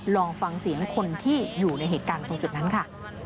ลองฟังเสียงคนที่อยู่ในเหตุการณ์ตรงจุดนั้นค่ะ